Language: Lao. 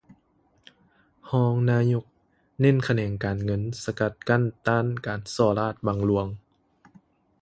ຮອງນາຍົກ ເນັ້ນຂະແໜງການເງິນ ສະກັດກັ້ນຕ້ານການສໍ້ລາດບັງຫລວງ